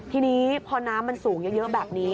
ทีนี้พอน้ำมันสูงเยอะแบบนี้